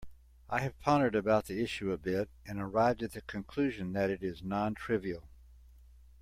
I have pondered about the issue a bit and arrived at the conclusion that it is non-trivial.